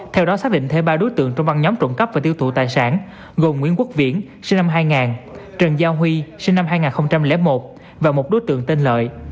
tiêu thụ tài sản gồm nguyễn quốc viễn sinh năm hai nghìn trần giao huy sinh năm hai nghìn một và một đối tượng tên lợi